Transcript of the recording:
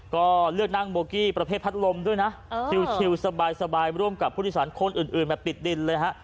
ก็เลือกนั่งโบกี้ประเภทพัดลมด้วยนะชิลสบายร่วมกับผู้โดยสารคนอื่นแบบติดดินเลยฮะ